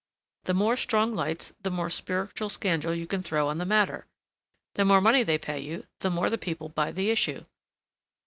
The more strong lights, the more spiritual scandal you can throw on the matter, the more money they pay you, the more the people buy the issue.